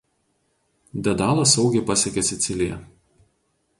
Dedalas saugiai pasiekė Siciliją.